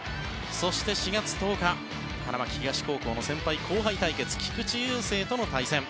そして、４月１０日花巻東高校の先輩後輩対決菊池雄星との対戦。